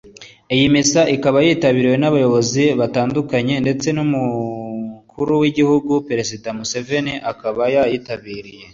Iyi misa ikaba yitabiriwe n’abayobozi batandukanye ndetse n’umukuru w’igihugu Perezida Museveni akaba yayitabiriye